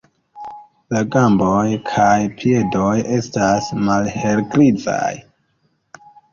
La gamboj kaj piedoj estas malhelgrizaj.